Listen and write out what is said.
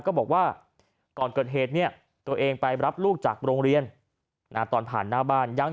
บอกว่าก่อนเกิดเหตุเนี่ยตัวเองไปรับลูกจากโรงเรียนตอนผ่านหน้าบ้านยัง